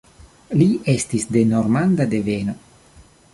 Li estis de normanda deveno.